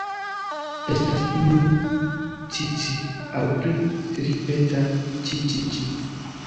Estas iu "ci-ci" aŭ pli ripeta "ĉi-ĉi-ĉi".